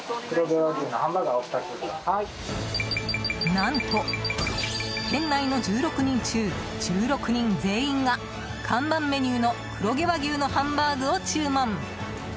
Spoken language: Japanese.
何と店内の１６人中１６人全員が看板メニューの黒毛和牛のハンバーグを注文。